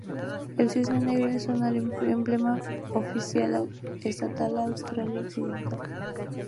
El cisne negro es el emblema oficial estatal de Australia Occidental.